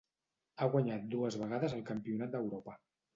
Ha guanyat dues vegades el Campionat d'Europa.